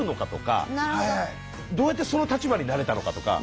どうやってその立場になれたのかとか。